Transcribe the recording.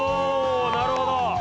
なるほど。